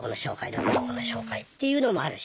どこどこの紹介っていうのもあるし。